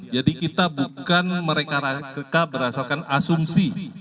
jadi kita bukan mereka berasalkan asumsi